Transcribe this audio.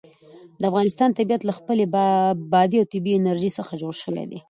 د افغانستان طبیعت له خپلې بادي او طبیعي انرژي څخه جوړ شوی دی.